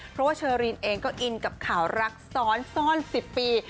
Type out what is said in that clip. เพราะว่าเชอรีนเองก็อินกับข่าวรักซ้อนซ่อน๑๐ปี